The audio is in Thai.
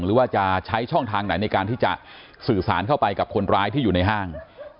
หรือว่าจะใช้ช่องทางไหนในการที่จะสื่อสารเข้าไปกับคนร้ายที่อยู่ในห้าง